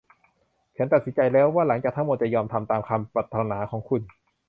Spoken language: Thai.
ฉันตัดสินใจแล้วว่าหลังจากทั้งหมด จะยอมทำตามคำปรารถนาของคุณ